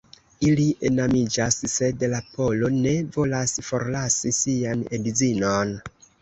Ili enamiĝas, sed la polo ne volas forlasi sian edzinon.